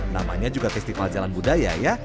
namanya juga festival jalan budaya ya